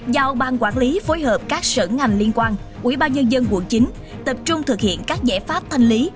giao bang quản lý phối hợp các sở ngành liên quan ubnd quận chín tập trung thực hiện các giải pháp thanh lý